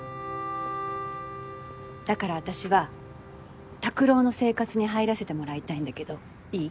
だから私は拓郎の生活に入らせてもらいたいんだけどいい？